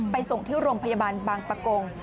ส่งที่โรงพยาบาลบางปะกง